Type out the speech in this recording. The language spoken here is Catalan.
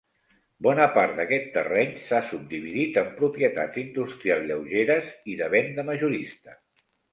Bona part d'aquest terreny s'ha subdividit en propietats industrials lleugeres i de venda majorista.